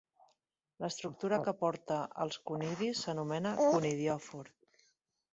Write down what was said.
L'estructura que porta els conidis s'anomena conidiòfor.